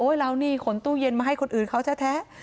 เรานี่ขนตู้เย็นมาให้คนอื่นเขาแท้